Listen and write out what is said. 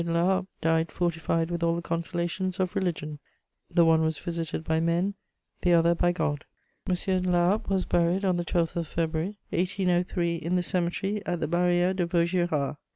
de La Harpe died fortified with all the consolations of religion: the one was visited by men, the other by God. M. de La Harpe was buried on the 12th of February 1803 in the cemetery at the Barrière de Vaugirard.